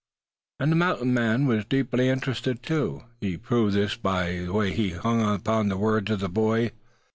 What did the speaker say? And the mountain man was deeply interested too. He proved this by the way he hung upon the words of the boy.